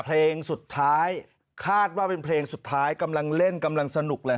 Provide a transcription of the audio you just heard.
เพลงสุดท้ายคาดว่าเป็นเพลงสุดท้ายกำลังเล่นกำลังสนุกเลย